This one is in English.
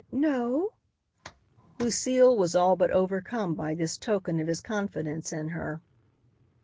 "N no," Lucile was all but overcome by this token of his confidence in her.